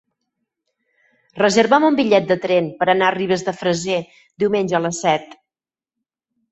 Reserva'm un bitllet de tren per anar a Ribes de Freser diumenge a les set.